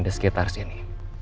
di sekitar sini